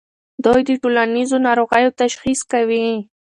دوی د ټولنیزو ناروغیو تشخیص کوي.